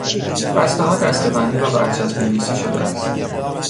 بستهها دستهبندی و برچسب نویسی شده است.